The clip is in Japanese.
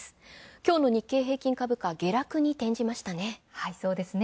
今日の日経平均株価下落に転じましたね。